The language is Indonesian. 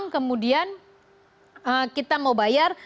kemudian kita mau bayar